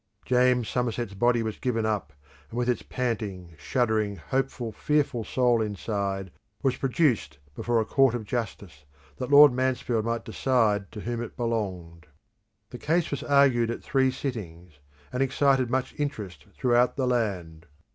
James Somerset's body was given up, and with its panting, shuddering, hopeful, fearful soul inside, was produced before a Court of Justice that Lord Mansfield might decide to whom it belonged. The case was argued at three sittings, and excited much interest throughout the land.